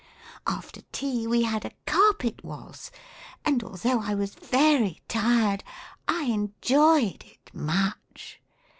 After tea we had a carpet tvaltz, and although I was very tired I enjoyed it much.